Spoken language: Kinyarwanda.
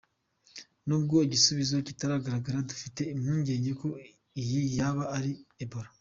Nubwo ibisubizo bitaragaragara, dufite impungenge ko iyi yaba ari Ebola.